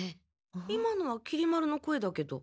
今のはきり丸の声だけど。